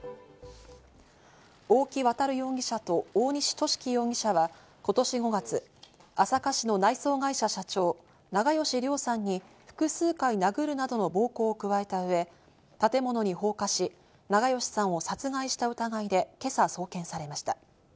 大木渉容疑者と大西寿貴容疑者は今年５月、朝霞市の内装会社社長・長葭良さんに複数回殴るなどの暴行を加えたうえ、建物に放火し、長葭さんを殺害した疑いで今朝送検されました。